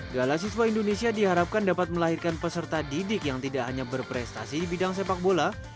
galasiswa indonesia diharapkan dapat melahirkan peserta didik yang tidak hanya berprestasi di bidang sepak bola